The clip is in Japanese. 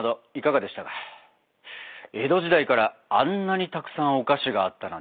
江戸時代からあんなにたくさんお菓子があったなんて知りませんでした。